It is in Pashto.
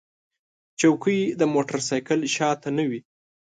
چوکۍ د موټر سایکل شا ته نه وي.